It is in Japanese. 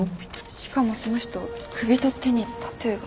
しかもその人首と手にタトゥーが。